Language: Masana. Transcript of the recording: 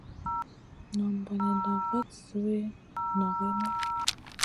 Nan bonenda vat sui nʼongue Noy.